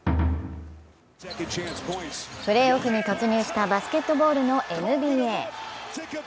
プレーオフに突入したバスケットボールのＮＢＡ。